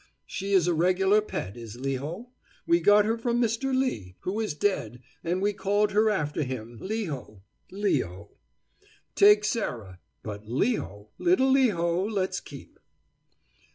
She is a regular pet, is Leho. We got her from Mr. Lee, who is dead, and we called her after him, Leho [Leo]. Take Sarah; but Leho, little Leho, let's keep."